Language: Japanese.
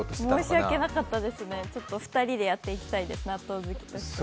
申し訳なかったですね、２人でやっていきたいです、納豆好き。